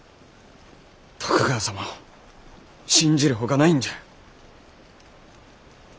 徳川様を信じるほかないんじゃ。